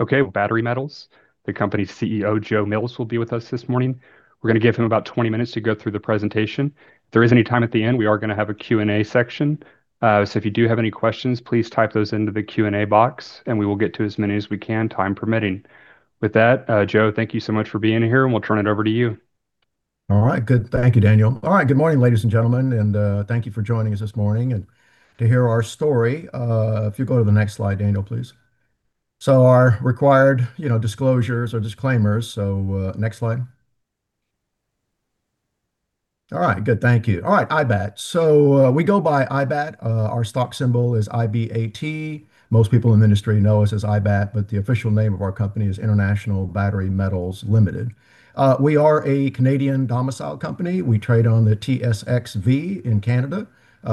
Okay. Battery Metals, the company's CEO, Joe Mills, will be with us this morning. We're going to give him about 20 minutes to go through the presentation. If there is any time at the end, we are going to have a Q&A section. If you do have any questions, please type those into the Q&A box and we will get to as many as we can, time permitting. With that, Joe, thank you so much for being here, and we'll turn it over to you. All right. Good. Thank you, Daniel. Good morning, ladies and gentlemen, and thank you for joining us this morning and to hear our story. If you go to the next slide, Daniel, please. Our required disclosures or disclaimers. Next slide. All right, good, thank you. All right. IBAT. We go by IBAT. Our stock symbol is IBAT. Most people in the industry know us as IBAT, but the official name of our company is International Battery Metals Ltd. We are a Canadian domicile company. We trade on the TSXV in Canada.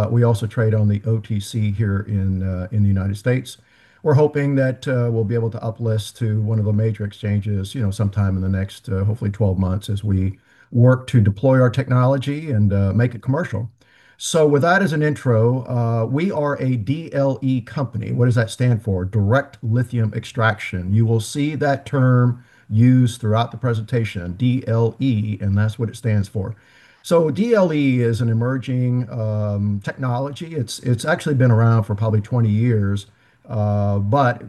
We also trade on the OTC here in the U.S. We're hoping that we'll be able to uplist to one of the major exchanges sometime in the next, hopefully 12 months as we work to deploy our technology and make it commercial. With that as an intro, we are a DLE company. What does that stand for? Direct lithium extraction. You will see that term used throughout the presentation, DLE. That's what it stands for. DLE is an emerging technology. It's actually been around for probably 20 years, but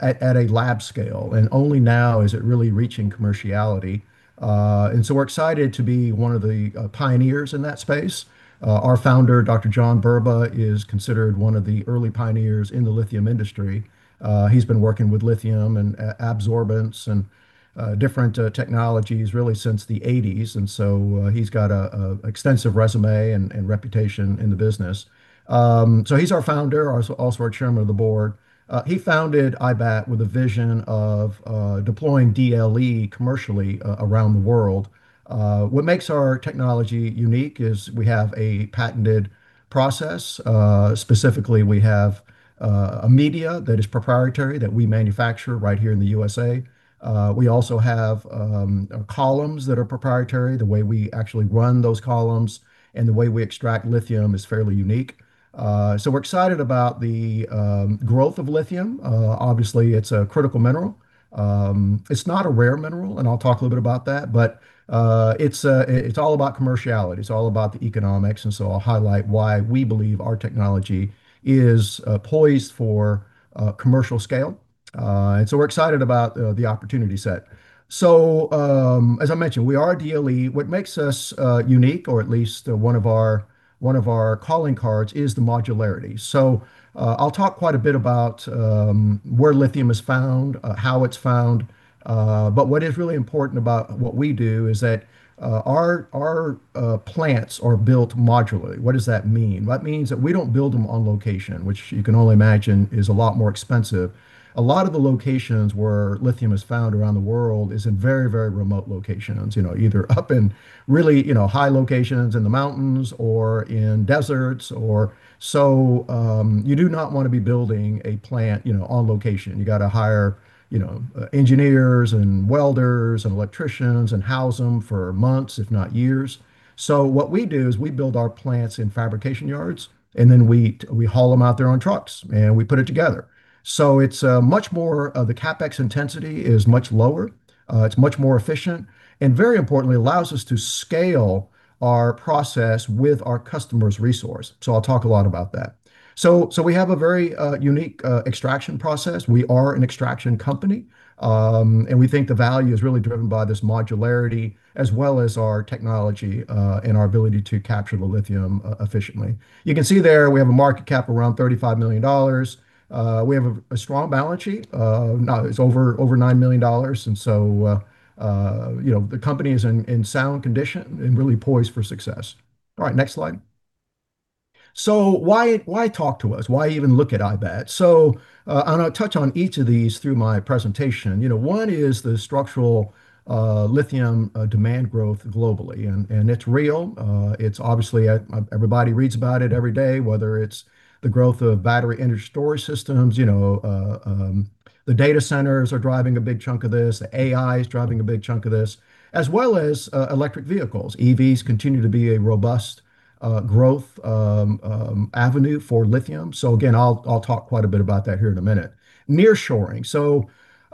at a lab scale. Only now is it really reaching commerciality. We're excited to be one of the pioneers in that space. Our founder, Dr. John Burba, is considered one of the early pioneers in the lithium industry. He's been working with lithium and absorbents and different technologies really since the 1980s. He's got an extensive resume and reputation in the business. He's our founder, also our chairman of the board. He founded IBAT with a vision of deploying DLE commercially around the world. What makes our technology unique is we have a patented process. Specifically, we have a media that is proprietary that we manufacture right here in the U.S.A. We also have columns that are proprietary. The way we actually run those columns and the way we extract lithium is fairly unique. We're excited about the growth of lithium. Obviously, it's a critical mineral. It's not a rare mineral, and I'll talk a little bit about that, but it's all about commerciality. It's all about the economics, I'll highlight why we believe our technology is poised for commercial scale. We're excited about the opportunity set. As I mentioned, we are DLE. What makes us unique, or at least one of our calling cards is the modularity. I'll talk quite a bit about where lithium is found, how it's found. What is really important about what we do is that our plants are built modularly. What does that mean? Well, it means that we don't build them on location, which you can only imagine is a lot more expensive. A lot of the locations where lithium is found around the world is in very remote locations. Either up in really high locations in the mountains or in deserts. You do not want to be building a plant on location. You got to hire engineers and welders and electricians and house them for months, if not years. What we do is we build our plants in fabrication yards, and then we haul them out there on trucks, and we put it together. The CapEx intensity is much lower. It's much more efficient, and very importantly, allows us to scale our process with our customer's resource. I'll talk a lot about that. We have a very unique extraction process. We are an extraction company. We think the value is really driven by this modularity as well as our technology, and our ability to capture the lithium efficiently. You can see there, we have a market cap around $35 million. We have a strong balance sheet. It's over $9 million, the company is in sound condition and really poised for success. All right, next slide. Why talk to us? Why even look at IBAT? I'm going to touch on each of these through my presentation. One is the structural lithium demand growth globally, and it's real. Obviously everybody reads about it every day, whether it's the growth of battery energy storage systems. The data centers are driving a big chunk of this. The AI is driving a big chunk of this, as well as electric vehicles. EVs continue to be a robust growth avenue for lithium. Again, I'll talk quite a bit about that here in a minute. Nearshoring.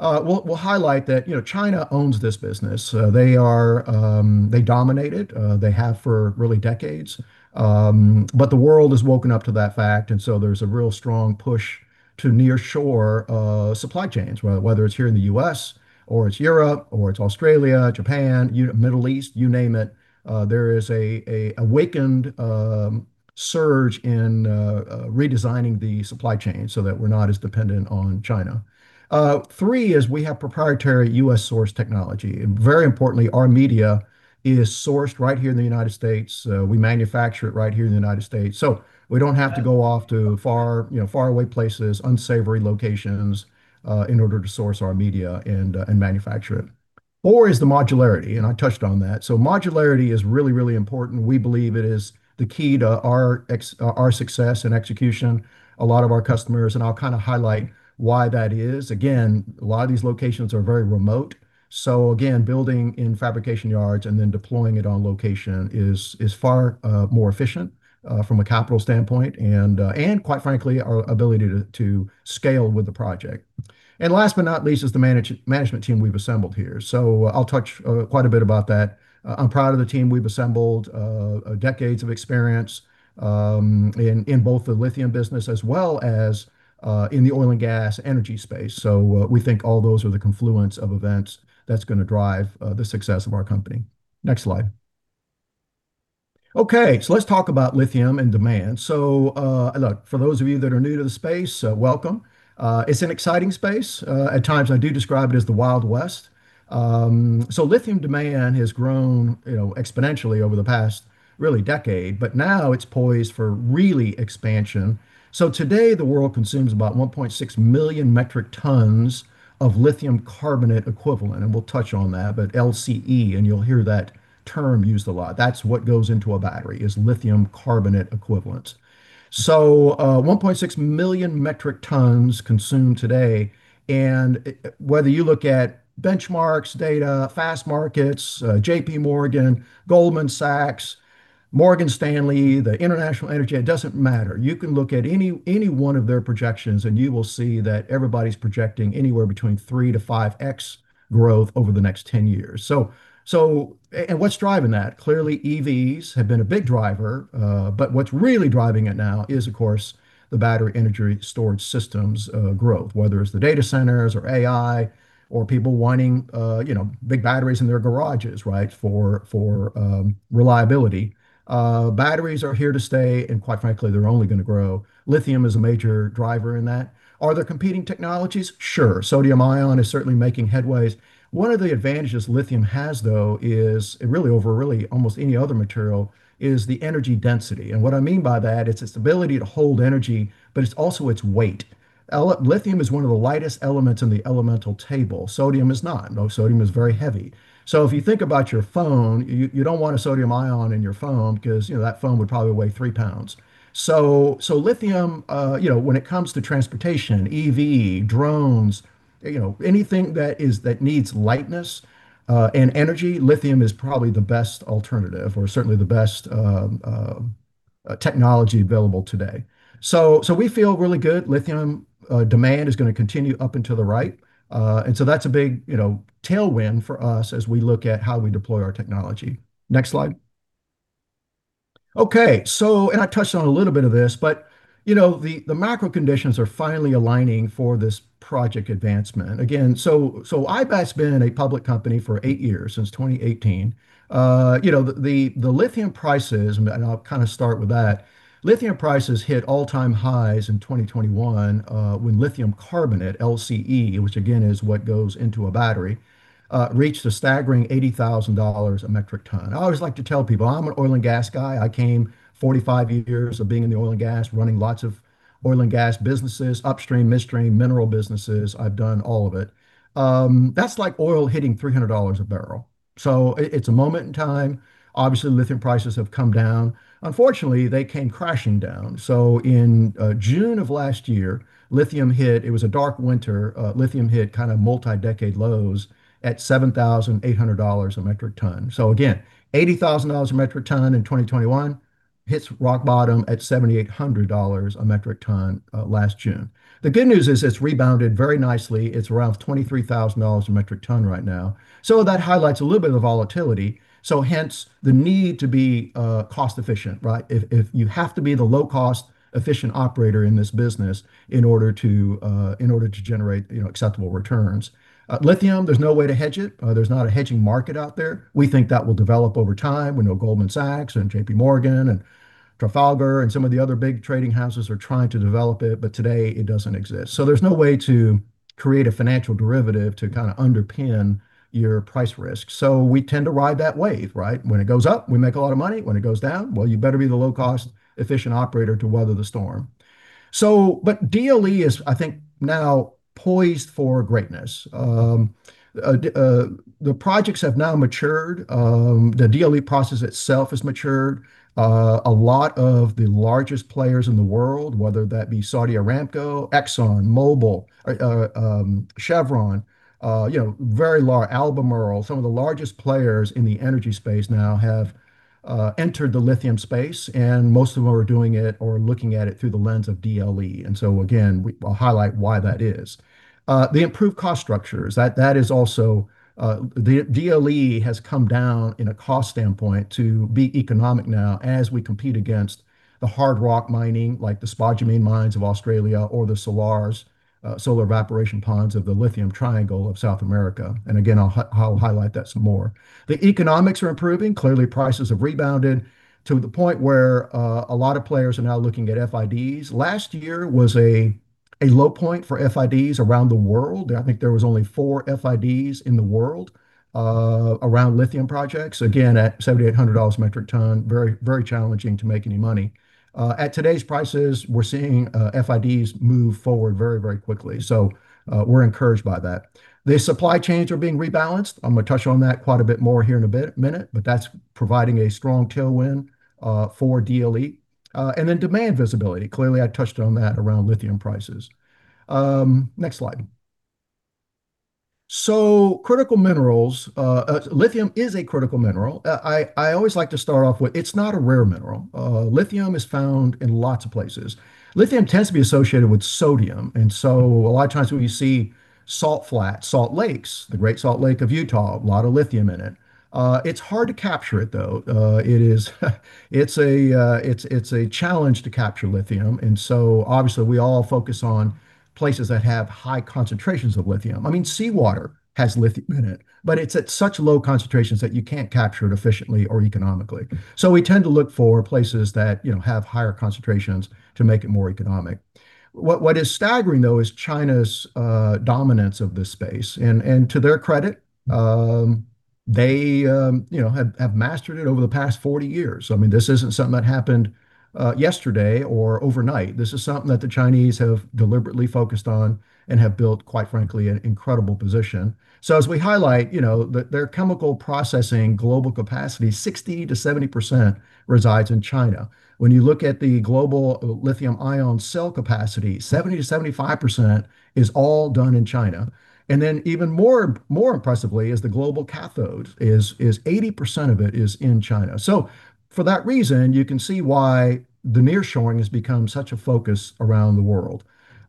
We'll highlight that China owns this business. They dominate it. They have for really decades. The world has woken up to that fact, and so there's a real strong push to nearshore supply chains, whether it's here in the U.S. or it's Europe or it's Australia, Japan, Middle East, you name it. There is a awakened surge in redesigning the supply chain so that we're not as dependent on China. Three is we have proprietary U.S. sourced technology, and very importantly, our media is sourced right here in the United States. We manufacture it right here in the United States, so we don't have to go off to faraway places, unsavory locations, in order to source our media and manufacture it. Four is the modularity, and I touched on that. Modularity is really important. We believe it is the key to our success and execution. A lot of our customers, and I'll highlight why that is. Again, a lot of these locations are very remote. Again, building in fabrication yards and then deploying it on location is far more efficient from a capital standpoint, and quite frankly, our ability to scale with the project. Last but not least is the management team we've assembled here. I'll touch quite a bit about that. I'm proud of the team we've assembled, decades of experience in both the lithium business as well as in the oil and gas energy space. We think all those are the confluence of events that's going to drive the success of our company. Next slide. Okay, let's talk about lithium and demand. Look, for those of you that are new to the space, welcome. It's an exciting space. At times I do describe it as the Wild West. Lithium demand has grown exponentially over the past really decade, but now it's poised for really expansion. Today the world consumes about 1.6 million metric tons of lithium carbonate equivalent, and we'll touch on that, but LCE, and you'll hear that term used a lot. That's what goes into a battery is lithium carbonate equivalent. 1.6 million metric tons consumed today, and whether you look at Benchmarks, Data, Fastmarkets, JPMorgan, Goldman Sachs, Morgan Stanley, the International Energy, it doesn't matter. You can look at any one of their projections and you will see that everybody's projecting anywhere between 3x-5x growth over the next 10 years. What's driving that? Clearly EVs have been a big driver, but what's really driving it now is of course the battery energy storage systems growth, whether it's the data centers or AI or people wanting big batteries in their garages, right, for reliability. Batteries are here to stay and quite frankly they're only going to grow. Lithium is a major driver in that. Are there competing technologies? Sure. Sodium ion is certainly making headways. One of the advantages lithium has though is, really over almost any other material, is the energy density, and what I mean by that, it's its ability to hold energy, but it's also its weight. Lithium is one of the lightest elements in the elemental table. Sodium is not. Sodium is very heavy. If you think about your phone, you don't want a sodium ion in your phone because that phone would probably weigh 3 pounds. Lithium, when it comes to transportation, EV, drones, anything that needs lightness and energy, lithium is probably the best alternative or certainly the best technology available today. We feel really good. Lithium demand is going to continue up and to the right, that's a big tailwind for us as we look at how we deploy our technology. Next slide. Okay. I touched on a little bit of this, the macro conditions are finally aligning for this project advancement. Again, IBAT been in a public company for eight years, since 2018. The lithium prices, and I'll start with that, lithium prices hit all-time highs in 2021 when lithium carbonate, LCE, which again is what goes into a battery, reached a staggering $80,000 a metric ton. I always like to tell people I'm an oil and gas guy. I came 45 years of being in the oil and gas, running lots of oil and gas businesses, upstream, midstream, mineral businesses. I've done all of it. That's like oil hitting $300 a barrel. It's a moment in time. Obviously lithium prices have come down. Unfortunately, they came crashing down. In June of last year, lithium hit, it was a dark winter, lithium hit multi-decade lows at $7,800 a metric ton. Again, $80,000 a metric ton in 2021, hits rock bottom at $7,800 a metric ton last June. The good news is it's rebounded very nicely. It's around $23,000 a metric ton right now. That highlights a little bit of the volatility, hence the need to be cost efficient, right? You have to be the low cost efficient operator in this business in order to generate acceptable returns. Lithium, there's no way to hedge it. There's not a hedging market out there. We think that will develop over time. We know Goldman Sachs and JPMorgan and Trafigura and some of the other big trading houses are trying to develop it, but today it doesn't exist. There's no way to create a financial derivative to underpin your price risk. We tend to ride that wave, right? When it goes up, we make a lot of money. When it goes down, well, you better be the low cost efficient operator to weather the storm. DLE is, I think, now poised for greatness. The projects have now matured. The DLE process itself has matured. A lot of the largest players in the world, whether that be Saudi Aramco, ExxonMobil, Chevron, very large, Albemarle, some of the largest players in the energy space now have entered the lithium space and most of them are doing it or looking at it through the lens of DLE. Again, I'll highlight why that is. The improved cost structures, the DLE has come down in a cost standpoint to be economic now as we compete against the hard rock mining like the spodumene mines of Australia or the salars, solar evaporation ponds of the Lithium Triangle of South America. Again, I'll highlight that some more. The economics are improving. Clearly prices have rebounded to the point where a lot of players are now looking at FIDs. Last year was a low point for FIDs around the world. I think there was only four FIDs in the world around lithium projects. At $7,800 a metric ton, very challenging to make any money. At today's prices, we're seeing FIDs move forward very quickly. We're encouraged by that. The supply chains are being rebalanced. I'm going to touch on that quite a bit more here in a minute. That's providing a strong tailwind for DLE. Demand visibility. Clearly I touched on that around lithium prices. Next slide. Critical minerals, lithium is a critical mineral. I always like to start off with it's not a rare mineral. Lithium is found in lots of places. Lithium tends to be associated with sodium. A lot of times when you see salt flats, salt lakes, the Great Salt Lake of Utah, a lot of lithium in it. It's hard to capture it, though. It's a challenge to capture lithium, and so obviously we all focus on places that have high concentrations of lithium. I mean, seawater has lithium in it, but it's at such low concentrations that you can't capture it efficiently or economically. We tend to look for places that have higher concentrations to make it more economic. What is staggering, though, is China's dominance of this space. To their credit, they have mastered it over the past 40 years. I mean, this isn't something that happened yesterday or overnight. This is something that the Chinese have deliberately focused on and have built, quite frankly, an incredible position. As we highlight, their chemical processing global capacity, 60%-70% resides in China. When you look at the global lithium ion cell capacity, 70%-75% is all done in China. Even more impressively is the global cathode, is 80% of it is in China. For that reason, you can see why the nearshoring has become such a focus around the world.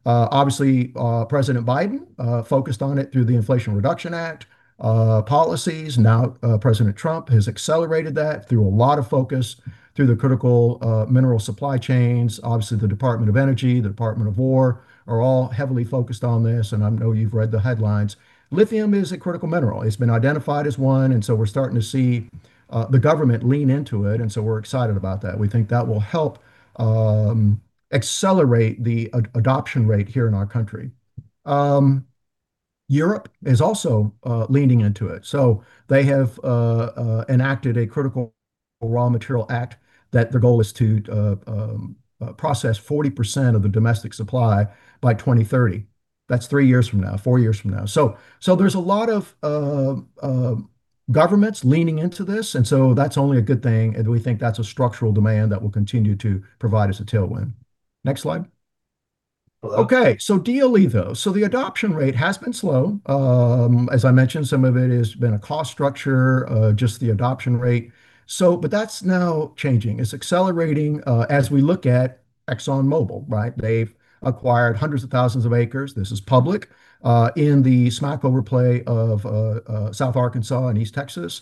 Obviously, President Biden focused on it through the Inflation Reduction Act policies. Now President Trump has accelerated that through a lot of focus through the critical mineral supply chains. Obviously, the Department of Energy, the Department of War, are all heavily focused on this, and I know you've read the headlines. Lithium is a critical mineral. It's been identified as one, we're starting to see the government lean into it, we're excited about that. We think that will help accelerate the adoption rate here in our country. Europe is also leaning into it. They have enacted a Critical Raw Materials Act that their goal is to process 40% of the domestic supply by 2030. That's three years from now, four years from now. There's a lot of governments leaning into this, that's only a good thing, and we think that's a structural demand that will continue to provide us a tailwind. Next slide. Okay. DLE, though. The adoption rate has been slow. As I mentioned, some of it has been a cost structure, just the adoption rate. That's now changing. It's accelerating as we look at ExxonMobil, right? They've acquired hundreds of thousands of acres, this is public, in the Smackover Formation of South Arkansas and East Texas.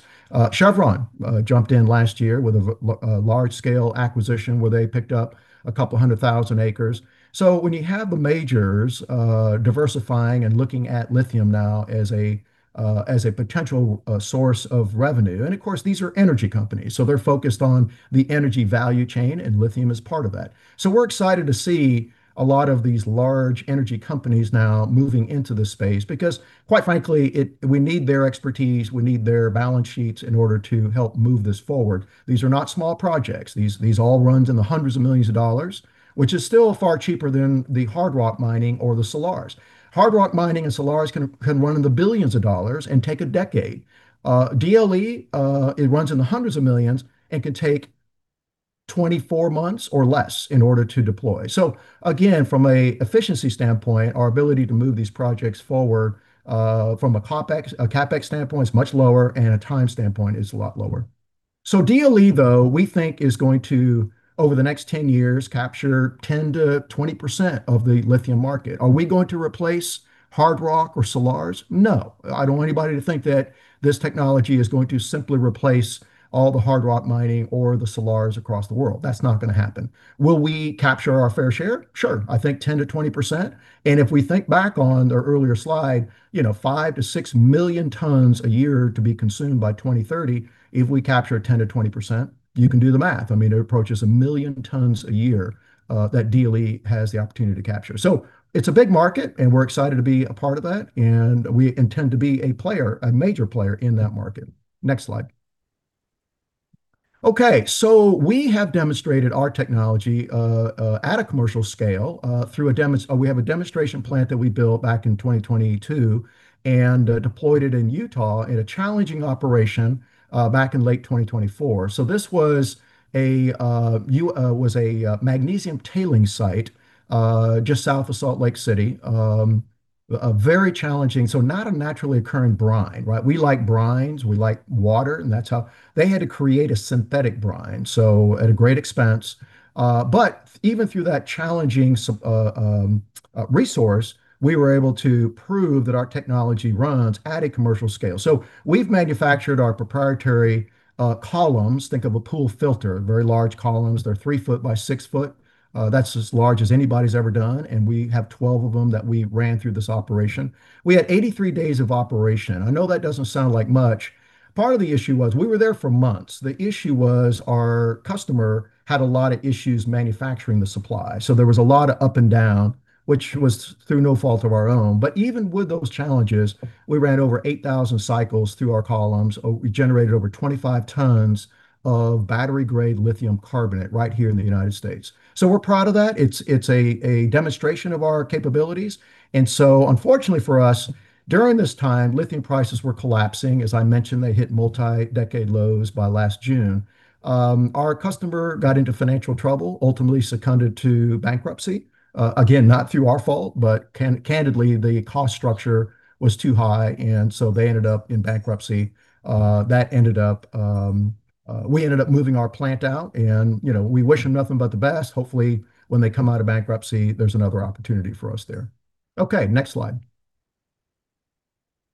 Chevron jumped in last year with a large-scale acquisition where they picked up a couple hundred thousand acres. When you have the majors diversifying and looking at lithium now as a potential source of revenue, and of course, these are energy companies, they're focused on the energy value chain, and lithium is part of that. We're excited to see a lot of these large energy companies now moving into this space because, quite frankly, we need their expertise, we need their balance sheets in order to help move this forward. These are not small projects. These all runs in the hundreds of millions of dollars, which is still far cheaper than the hard rock mining or the salars. Hard rock mining and salars can run in the billions of dollars and take a decade. DLE, it runs in the hundreds of millions and can take 24 months or less in order to deploy. Again, from an efficiency standpoint, our ability to move these projects forward, from a CapEx standpoint, is much lower, and a time standpoint is a lot lower. DLE, though, we think is going to, over the next 10 years, capture 10%-20% of the lithium market. Are we going to replace hard rock or salars? No. I don't want anybody to think that this technology is going to simply replace all the hard rock mining or the salars across the world. That's not going to happen. Will we capture our fair share? Sure. I think 10%-20%. If we think back on the earlier slide, 5 million-6 million tons a year to be consumed by 2030, if we capture 10%-20%, you can do the math. I mean, it approaches 1 million tons a year that DLE has the opportunity to capture. It's a big market, and we're excited to be a part of that, and we intend to be a player, a major player in that market. Next slide. Okay. We have demonstrated our technology at a commercial scale. We have a demonstration plant that we built back in 2022 and deployed it in Utah in a challenging operation back in late 2024. This was a magnesium tailing site just south of Salt Lake City. Very challenging. Not a naturally occurring brine, right? We like brines, we like water. They had to create a synthetic brine at a great expense. Even through that challenging resource, we were able to prove that our technology runs at a commercial scale. We've manufactured our proprietary columns. Think of a pool filter, very large columns. They're 3 ft by 6 ft. That's as large as anybody's ever done, and we have 12 of them that we ran through this operation. We had 83 days of operation. I know that doesn't sound like much. Part of the issue was we were there for months. The issue was our customer had a lot of issues manufacturing the supply. There was a lot of up and down, which was through no fault of our own. Even with those challenges, we ran over 8,000 cycles through our columns. We generated over 25 tons of battery-grade lithium carbonate right here in the U.S. We're proud of that. It's a demonstration of our capabilities. Unfortunately for us, during this time, lithium prices were collapsing. As I mentioned, they hit multi-decade lows by last June. Our customer got into financial trouble, ultimately succumbed to bankruptcy. Not through our fault, but candidly, the cost structure was too high. They ended up in bankruptcy. We ended up moving our plant out and we wish them nothing but the best. Hopefully, when they come out of bankruptcy, there's another opportunity for us there. Next slide.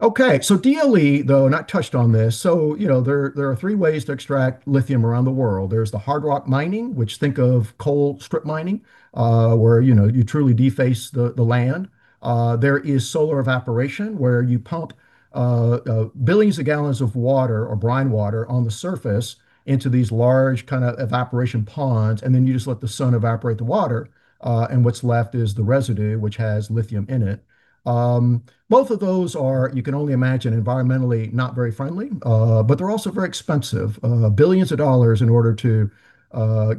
DLE, though, I touched on this. There are three ways to extract lithium around the world. There's the hard rock mining, which think of coal strip mining, where you truly deface the land. There is solar evaporation, where you pump billions of gallons of water or brine water on the surface into these large evaporation ponds. You just let the sun evaporate the water, and what's left is the residue, which has lithium in it. Both of those are, you can only imagine, environmentally not very friendly. They're also very expensive. Billions of dollars in order to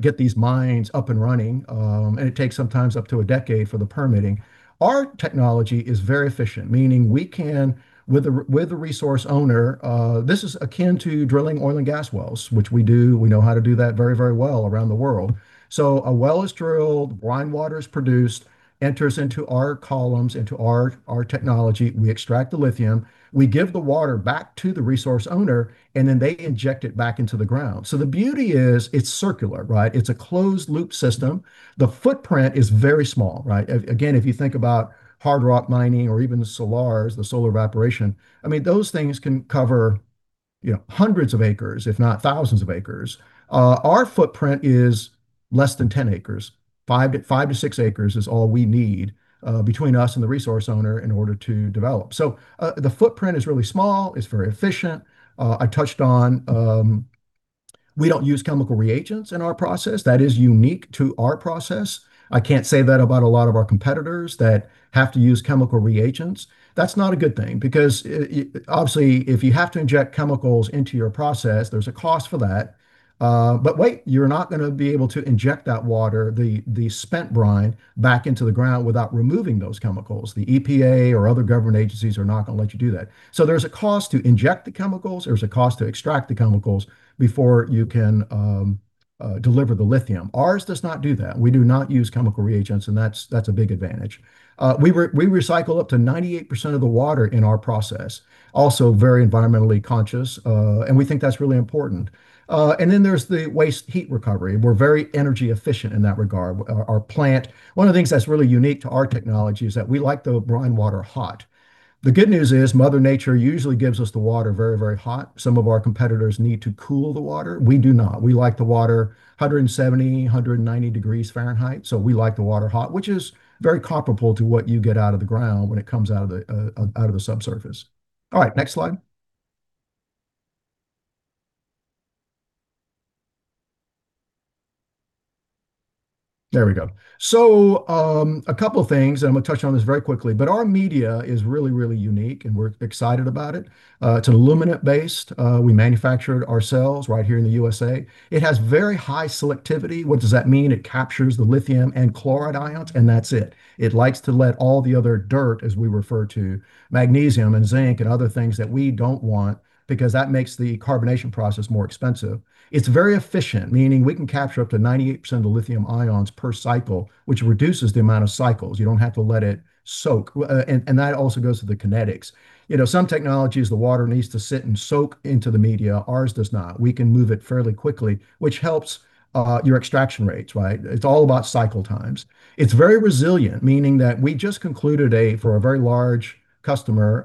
get these mines up and running, and it takes sometimes up to a decade for the permitting. Our technology is very efficient, meaning we can, with a resource owner, this is akin to drilling oil and gas wells, which we do. We know how to do that very well around the world. A well is drilled, brine water is produced, enters into our columns, into our technology. We extract the lithium, we give the water back to the resource owner, and then they inject it back into the ground. The beauty is it's circular, right? It's a closed-loop system. The footprint is very small, right? Again, if you think about hard rock mining or even the salars, the solar evaporation, those things can cover hundreds of acres, if not thousands of acres. Our footprint is less than 10 acres. Five to six acres is all we need between us and the resource owner in order to develop. The footprint is really small. It's very efficient. I touched on, we don't use chemical reagents in our process. That is unique to our process. I can't say that about a lot of our competitors that have to use chemical reagents. That's not a good thing, because obviously, if you have to inject chemicals into your process, there's a cost for that. Wait, you're not going to be able to inject that water, the spent brine, back into the ground without removing those chemicals. The EPA or other government agencies are not going to let you do that. There's a cost to inject the chemicals, there's a cost to extract the chemicals before you can deliver the lithium. Ours does not do that. We do not use chemical reagents, that's a big advantage. We recycle up to 98% of the water in our process. Also very environmentally conscious, and we think that's really important. Then there's the waste heat recovery. We're very energy efficient in that regard. Our plant, one of the things that's really unique to our technology is that we like the brine water hot. The good news is Mother Nature usually gives us the water very hot. Some of our competitors need to cool the water. We do not. We like the water 170, 190 degrees Fahrenheit. We like the water hot, which is very comparable to what you get out of the ground when it comes out of the subsurface. All right, next slide. There we go. A couple things, and I'm going to touch on this very quickly, but our media is really unique, and we're excited about it. It's aluminate-based. We manufacture it ourselves right here in the USA. It has very high selectivity. What does that mean? It captures the lithium and chloride ions, and that's it. It likes to let all the other dirt, as we refer to magnesium and zinc and other things that we don't want, because that makes the carbonation process more expensive. It's very efficient, meaning we can capture up to 98% of the lithium ions per cycle, which reduces the amount of cycles. You don't have to let it soak. That also goes to the kinetics. Some technologies, the water needs to sit and soak into the media. Ours does not. We can move it fairly quickly, which helps your extraction rates, right? It's all about cycle times. It's very resilient, meaning that we just concluded, for a very large customer,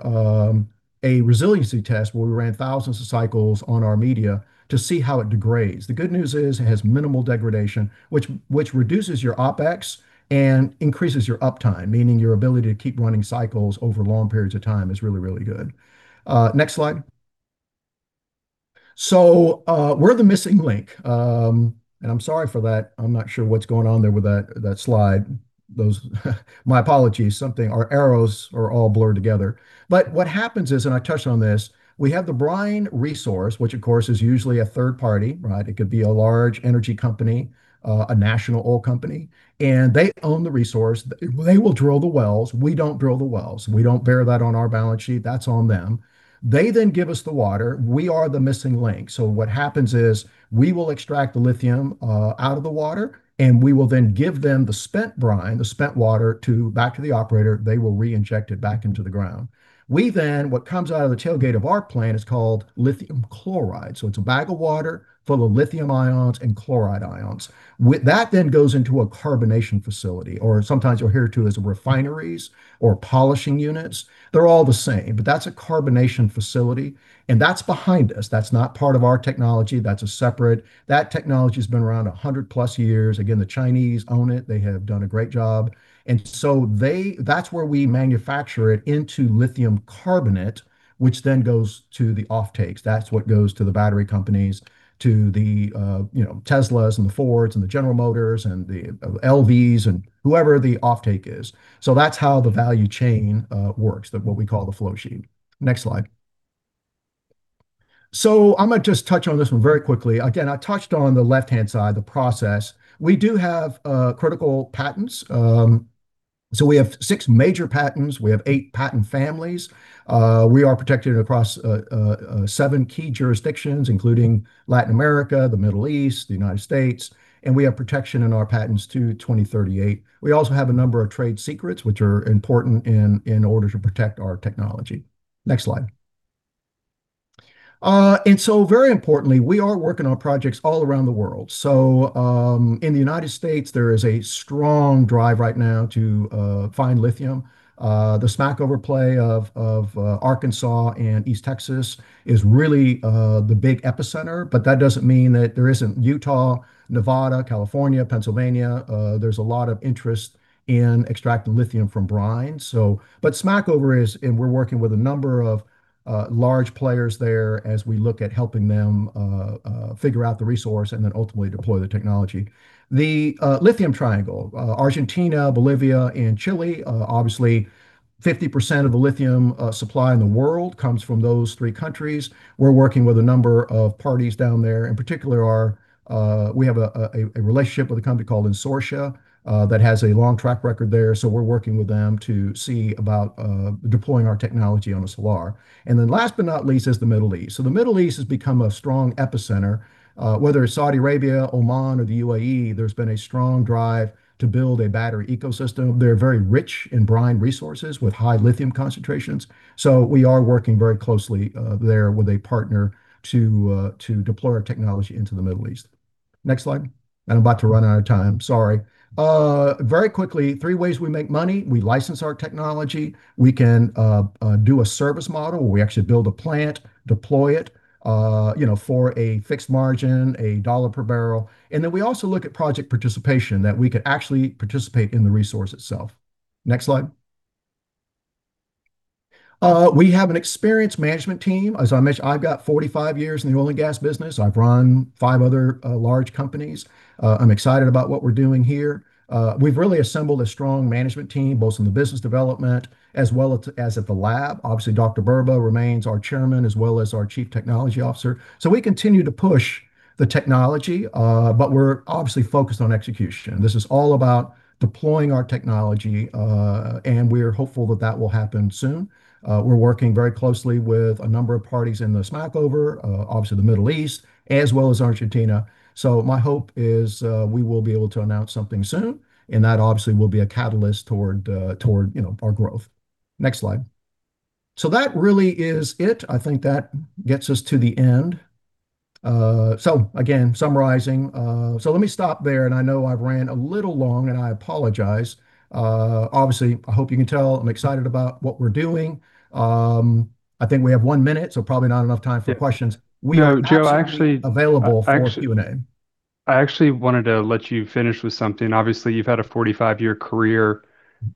a resiliency test where we ran thousands of cycles on our media to see how it degrades. The good news is it has minimal degradation, which reduces your OpEx and increases your uptime, meaning your ability to keep running cycles over long periods of time is really good. Next slide. We're the missing link. I'm sorry for that. I'm not sure what's going on there with that slide. My apologies. Our arrows are all blurred together. What happens is, and I touched on this, we have the brine resource, which, of course, is usually a third party, right? It could be a large energy company, a national oil company, and they own the resource. They will drill the wells. We don't drill the wells. We don't bear that on our balance sheet. That's on them. They give us the water. We are the missing link. What happens is we will extract the lithium out of the water, and we will then give them the spent brine, the spent water back to the operator. They will reinject it back into the ground. What comes out of the tailgate of our plant is called lithium chloride. It's a bag of water full of lithium ions and chloride ions. That goes into a carbonation facility, or sometimes you'll hear too, as refineries or polishing units. They're all the same. That's a carbonation facility, and that's behind us. That's not part of our technology. That's a separate. That technology's been around 100+ years. Again, the Chinese own it. They have done a great job. That's where we manufacture it into lithium carbonate, which then goes to the offtakes. That's what goes to the battery companies, to the Teslas and the Fords and the General Motors and the LVs and whoever the offtake is. That's how the value chain works, what we call the flow sheet. Next slide. I'm going to just touch on this one very quickly. Again, I touched on the left-hand side, the process. We do have critical patents. We have six major patents. We have eight patent families. We are protected across seven key jurisdictions, including Latin America, the Middle East, the United States, and we have protection in our patents to 2038. We also have a number of trade secrets, which are important in order to protect our technology. Next slide. Very importantly, we are working on projects all around the world. In the United States, there is a strong drive right now to find lithium. The Smackover Formation of Arkansas and East Texas is really the big epicenter, but that doesn't mean that there isn't Utah, Nevada, California, Pennsylvania. There's a lot of interest in extracting lithium from brine. Smackover Formation is, and we're working with a number of large players there as we look at helping them figure out the resource and then ultimately deploy the technology. The Lithium Triangle, Argentina, Bolivia, and Chile, obviously 50% of the lithium supply in the world comes from those three countries. We're working with a number of parties down there. In particular, we have a relationship with a company called Ensorcia Metals that has a long track record there, so we're working with them to see about deploying our technology on the salar. Last but not least is the Middle East. The Middle East has become a strong epicenter. Whether it's Saudi Arabia, Oman, or the UAE, there's been a strong drive to build a battery ecosystem. They're very rich in brine resources with high lithium concentrations. We are working very closely there with a partner to deploy our technology into the Middle East. Next slide. I'm about to run out of time, sorry. Very quickly, three ways we make money. We license our technology. We can do a service model where we actually build a plant, deploy it for a fixed margin, a dollar per barrel. We also look at project participation, that we could actually participate in the resource itself. Next slide. We have an experienced management team. As I mentioned, I've got 45 years in the oil and gas business. I've run five other large companies. I'm excited about what we're doing here. We've really assembled a strong management team, both in the business development as well as at the lab. Obviously, Dr. Burba remains our Chairman as well as our Chief Technology Officer. We continue to push the technology, but we're obviously focused on execution. This is all about deploying our technology, and we're hopeful that that will happen soon. We're working very closely with a number of parties in the Smackover, obviously the Middle East, as well as Argentina. My hope is we will be able to announce something soon, and that obviously will be a catalyst toward our growth. Next slide. That really is it. I think that gets us to the end. Again, summarizing. Let me stop there, and I know I've ran a little long and I apologize. Obviously, I hope you can tell I'm excited about what we're doing. I think we have one minute, so probably not enough time for questions. Yeah. No, Joe. We are absolutely available for Q&A. I actually wanted to let you finish with something. Obviously, you've had a 45-year career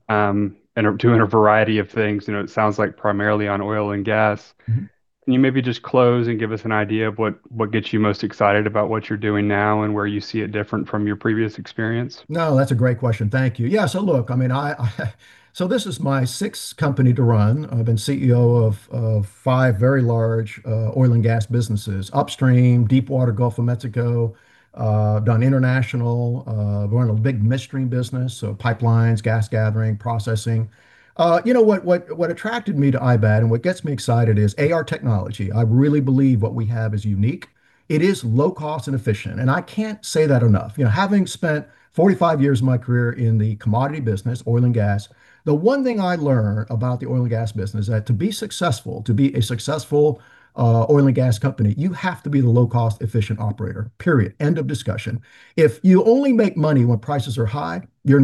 doing a variety of things, it sounds like primarily on oil and gas. Can you maybe just close and give us an idea of what gets you most excited about what you're doing now and where you see it different from your previous experience? No, that's a great question. Thank you. This is my sixth company to run. I've been CEO of five very large oil and gas businesses, upstream, deep water Gulf of Mexico. I've done international. I've run a big midstream business, so pipelines, gas gathering, processing. You know what attracted me to IBAT and what gets me excited is our technology. I really believe what we have is unique. It is low-cost and efficient, and I can't say that enough. Having spent 45 years of my career in the commodity business, oil and gas, the one thing I learned about the oil and gas business, that to be successful, to be a successful oil and gas company, you have to be the low-cost efficient operator, period, end of discussion. If you only make money when prices are high, you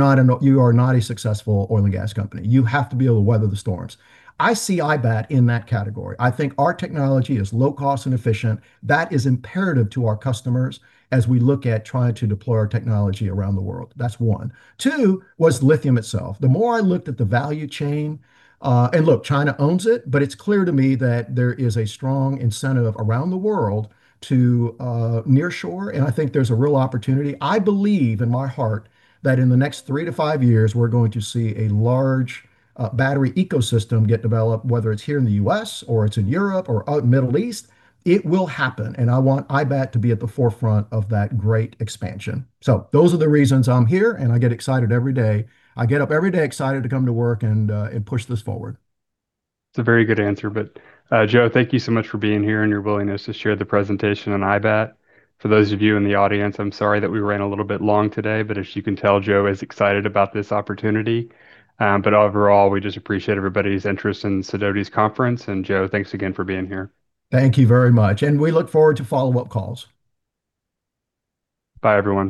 are not a successful oil and gas company. You have to be able to weather the storms. I see IBAT in that category. I think our technology is low cost and efficient. That is imperative to our customers as we look at trying to deploy our technology around the world. That's one. Two was lithium itself. The more I looked at the value chain. Look, China owns it, but it's clear to me that there is a strong incentive around the world to near-shore, and I think there's a real opportunity. I believe in my heart that in the next three to five years, we're going to see a large battery ecosystem get developed, whether it's here in the U.S. or it's in Europe or out in the Middle East. It will happen, and I want IBAT to be at the forefront of that great expansion. Those are the reasons I'm here, and I get excited every day. I get up every day excited to come to work and push this forward. It's a very good answer. Joe, thank you so much for being here and your willingness to share the presentation on IBAT. For those of you in the audience, I'm sorry that we ran a little bit long today, but as you can tell, Joe is excited about this opportunity. Overall, we just appreciate everybody's interest in Sidoti's conference. Joe, thanks again for being here. Thank you very much. We look forward to follow-up calls. Bye, everyone.